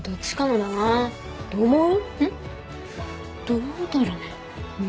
どうだろうね。